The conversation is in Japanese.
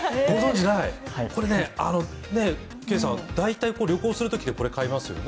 ケイさん、大体旅行するときってこれ買いますよね。